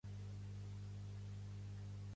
Vull canviar cuneïforme mesopotàmica a català.